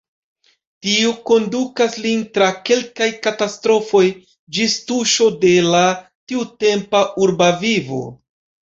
Tio kondukas lin tra kelkaj katastrofoj, ĝis tuŝo de la tiutempa urba vivo.